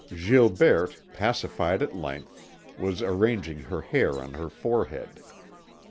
Gilberte, pacified at length, was arranging her hair on her forehead.